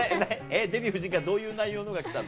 デヴィ夫人からどういう内容のが来たの？